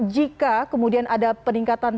jika kemudian ada peningkatan